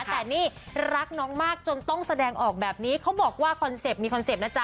แต่นี่รักน้องมากจนต้องแสดงออกแบบนี้เขาบอกว่าคอนเซ็ปต์มีคอนเซ็ปต์นะจ๊